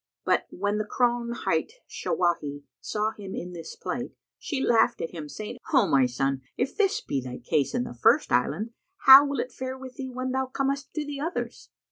But, when the crone hight Shawahi saw him in this plight, she laughed at him, saying, "O my son, if this be thy case in the first island, how will it fare with thee, when thou comest to the others?"